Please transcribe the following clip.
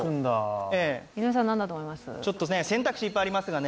選択肢いっぱいありますけど。